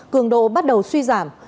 cường độ bắt đầu suy giảm